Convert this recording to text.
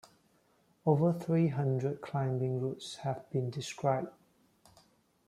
Over three hundred climbing routes have been described.